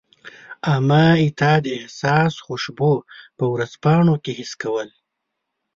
امه ستا د احساس خوشبو په ورځپاڼو کي حس کول